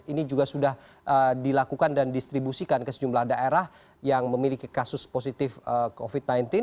ini juga sudah dilakukan dan distribusikan ke sejumlah daerah yang memiliki kasus positif covid sembilan belas